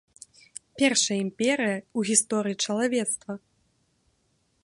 Першая імперыя ў гісторыі чалавецтва.